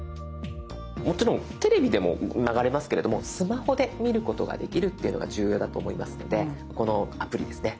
もちろんテレビでも流れますけれどもスマホで見ることができるというのが重要だと思いますのでこのアプリですね